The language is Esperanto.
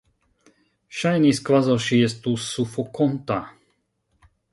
Ŝajnis, kvazaŭ ŝi estus sufokonta.